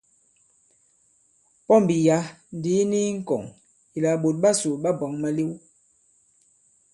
Pɔmbì ya᷅ ndī i ni i ŋkɔ̀ŋ ìlà ɓòt ɓasò ɓa bwǎŋ malew.